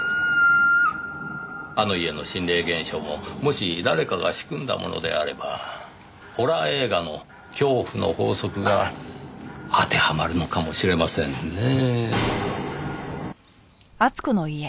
「」あの家の心霊現象ももし誰かが仕組んだものであればホラー映画の恐怖の法則が当てはまるのかもしれませんねぇ。